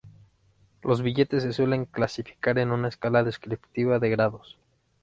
Los billetes se suelen clasificar en una escala descriptiva de grados.